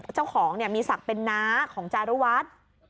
เจ้าของมีศักดิ์เป็นน้าของจารุวัฒน์